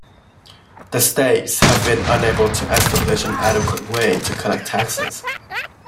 The states have been unable to establish an adequate way to collect taxes.